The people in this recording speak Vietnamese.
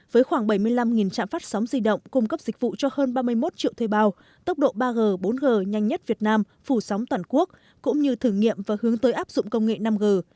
với khoảng bảy mươi năm trạm phát sóng di động cung cấp dịch vụ cho hơn ba mươi một triệu thuê bao tốc độ ba g bốn g nhanh nhất việt nam phủ sóng toàn quốc cũng như thử nghiệm và hướng tới áp dụng công nghệ năm g